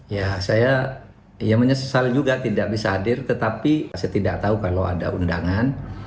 ya saya menyesal juga tidak bisa hadir tetapi saya tidak tahu kalau ada undangan